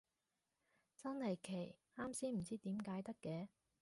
真係奇，啱先唔知點解得嘅